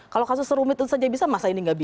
kalau kasus rumit itu saja bisa masa ini nggak bisa